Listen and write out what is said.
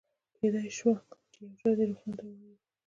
کېدای شوه چې یو چا دې روغتون ته وړی وي.